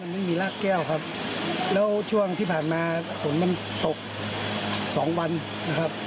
วันนี้มันมีลากแก้วครับแล้วช่วงที่ผ่านมาสนมันตก๒วันนะครับ